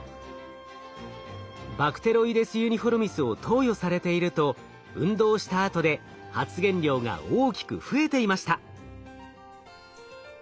バクテロイデス・ユニフォルミスを投与されていると運動したあとで発現量が大きく増えていました。